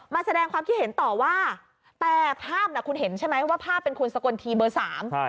มาแสดงความคิดเห็นต่อว่าแต่ภาพน่ะคุณเห็นใช่ไหมว่าภาพเป็นคุณสกลทีเบอร์สาม